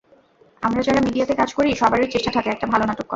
আমরা যাঁরা মিডিয়াতে কাজ করি, সবারই চেষ্টা থাকে একটা ভালো নাটক করা।